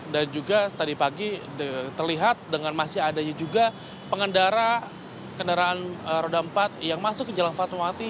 dan juga tadi pagi terlihat dengan masih adanya juga pengendara kendaraan roda empat yang masuk ke jalan fatmawati